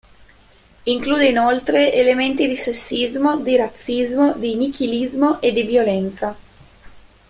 Include inoltre elementi di sessismo, di razzismo di nichilismo e di violenza.